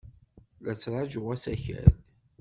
La ttṛajuɣ asakal.